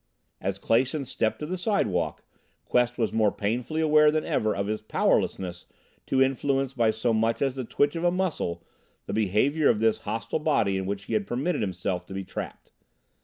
As Clason stepped to the sidewalk, Quest was more painfully aware than ever of his powerlessness to influence by so much as the twitch of a muscle the behavior of this hostile body in which he had permitted himself to be trapped.